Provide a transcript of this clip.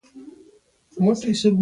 احمدشاه ابدالي حیرانیتا ښکاره کړې وه.